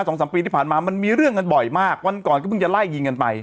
สองสามปีที่ผ่านมามันมีเรื่องกันบ่อยมากวันก่อนก็เพิ่งจะไล่ยิงกันไป